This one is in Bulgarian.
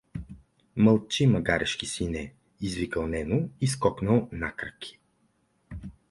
Мълчи, магарешки сине, извикал Нено и скокнал накраки.